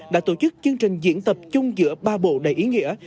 đã tổ chức chương trình diễn tập chung giữa ba bộ đầy ý nghĩa